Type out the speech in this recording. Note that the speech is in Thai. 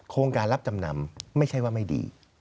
โครงการรับจำนำไม่ใช่ว่าไม่ดี